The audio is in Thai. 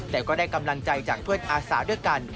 แต่ก็ได้กำลังใจจากเพื่อนอาสาด้วยกัน